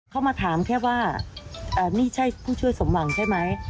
เขามาถามแค่ว่านี่ใช่ผู้ช่วยสมหวังใช่ไหม